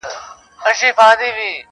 هر مزل مو له پېړیو د اشنا په وینو سور دی -